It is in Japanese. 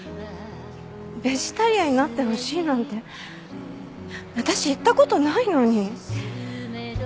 ベジタリアンになってほしいなんて私言った事ないのに。